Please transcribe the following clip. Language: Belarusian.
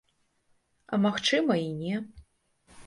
А, магчыма, і не.